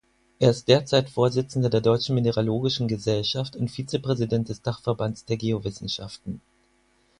Er ist derzeit Vorsitzender der Deutschen Mineralogischen Gesellschaft und Vizepräsident des Dachverbands der Geowissenschaften.